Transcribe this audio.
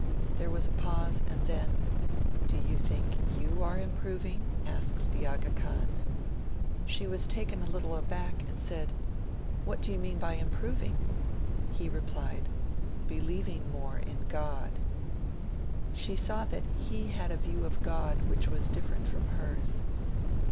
There was a pause; and then, 'Do you think you are improving?' asked the Aga Khan. She was a little taken aback, and said, 'What do you mean by "improving"?' He replied, 'Believing more in God.' She saw that he had a view of God which was different from hers.